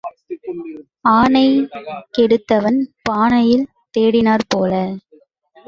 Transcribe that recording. ஆனை கெடுத்தவன் பானையில் தேடினாற் போல.